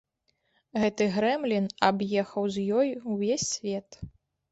Гэты грэмлін аб'ехаў з ёй увесь свет.